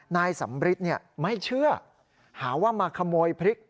นายสำริทไม่เชื่อหาว่ามาขโมยพริก